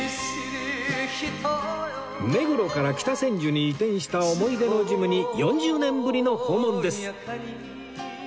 目黒から北千住に移転した思い出のジムに４０年ぶりの訪問です